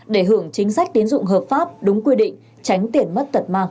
để hưởng chính sách tín dụng hợp pháp đúng quy định tránh tiền mất tật mạng